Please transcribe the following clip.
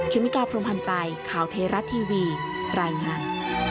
เมกาพรมพันธ์ใจข่าวเทราะทีวีรายงาน